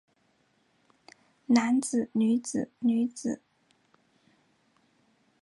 男子女子女子